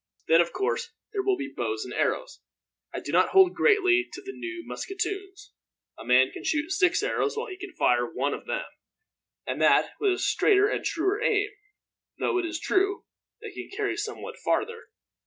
Then, of course, there will be bows and arrows. I do not hold greatly to the new musketoons a man can shoot six arrows while he can fire one of them, and that with a straighter and truer aim, though it is true they can carry somewhat farther.